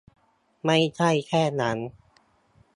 ไม่ใช่แค่นั้น